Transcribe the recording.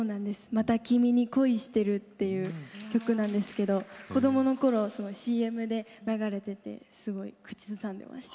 「また君に恋してる」っていう曲なんですけど子どものころＣＭで流れててすごい口ずさんでました。